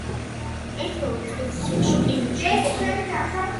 ერთხელ ექსპედიციაში ყირიმში იმყოფებოდა.